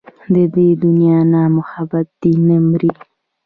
د دې دنيا نه محبت دې نه مري